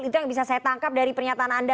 itu yang bisa saya tangkap dari pernyataan anda